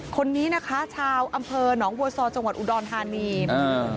คนนี้นะคะชาวอำเภอหนองบัวซอจังหวัดอุดรธานีอ่า